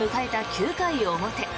９回表。